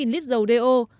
một mươi bốn lít dầu do